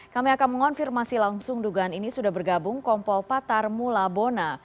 kami akan mengonfirmasi langsung dugaan ini sudah bergabung kompol patar mula bona